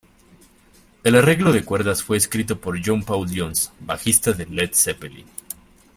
El arreglo de cuerdas fue escrito por John Paul Jones, bajista de Led Zeppelin.